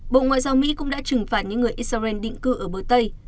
bộ ngoại giao mỹ cũng đã trừng phạt những người israel định cư ở bờ tây